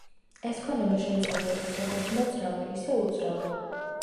ეს ქონება შეიძლება იყოს როგორც მოძრავი, ისე უძრავი.